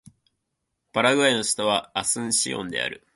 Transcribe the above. パラグアイの首都はアスンシオンである